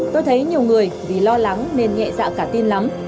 tôi thấy nhiều người vì lo lắng nên nhẹ dạ cả tin lắm